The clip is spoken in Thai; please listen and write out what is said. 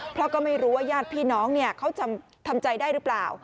เพราะก็ไม่รู้ว่าญาติพี่น้องเขาทำใจได้หรือเปล่า